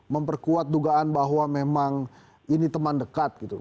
memperkuat dugaan bahwa memang ini teman dekat gitu